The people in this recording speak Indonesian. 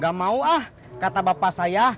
gak mau ah kata bapak saya